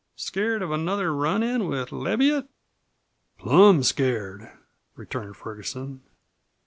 Scared of another run in with Leviatt?" "Plum scared," returned Ferguson.